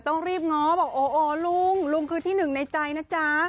ต้องรีบง้อบอกโอ้ลุงลุงคือที่หนึ่งในใจนะจ๊ะ